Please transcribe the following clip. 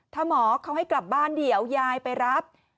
ถ้าหมอเขาให้กลับบ้านเดี๋ยวยายไปรับ